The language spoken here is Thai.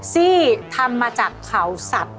ที่ทำมาจากเขาสัตว์